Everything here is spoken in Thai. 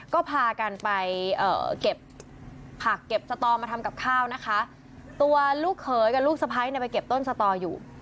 ก็พากันไปเก็บผักเก็บสตอมาทำกับข้าวนะคะตัวลูกเขยกับลูกสะพ้ายเนี่ยไปเก็บต้นสตออยู่